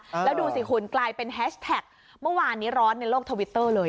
แล้วดูสิคุณกลายเป็นแฮชแท็กเมื่อวานนี้ร้อนในโลกทวิตเตอร์เลย